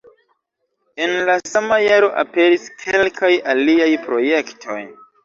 En la sama jaro aperis kelkaj aliaj projektoj.